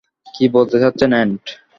কী বলতে চাচ্ছেন, অ্যান্ট?